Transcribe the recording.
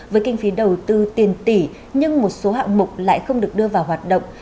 với kinh phí đầu tư tiền tỷ nhưng một số hạng mục lại không được đưa vào hoạt động